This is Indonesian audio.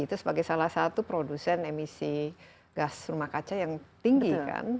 itu sebagai salah satu produsen emisi gas rumah kaca yang tinggi kan